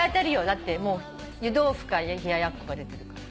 だって湯豆腐か冷ややっこが出てるから。